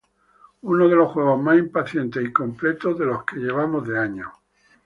Uno de los juegos más impactantes y completos de lo que llevamos de año".